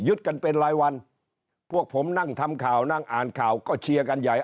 กันเป็นรายวันพวกผมนั่งทำข่าวนั่งอ่านข่าวก็เชียร์กันใหญ่